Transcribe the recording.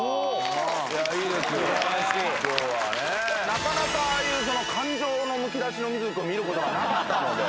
なかなかああいう感情むき出しの瑞稀君見る事がなかったので。